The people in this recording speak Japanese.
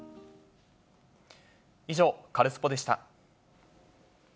以上、カルスポっ！でした。